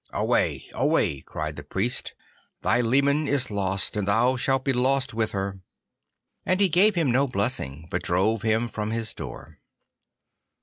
'Away! Away!' cried the Priest: 'thy leman is lost, and thou shalt be lost with her.' And he gave him no blessing, but drove him from his door.